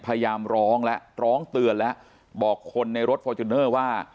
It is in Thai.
พยายามร้องแล้วร้องเตือนแล้วบอกคนในรถฟอร์จูเนอร์ว่า